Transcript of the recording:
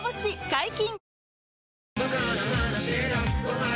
解禁‼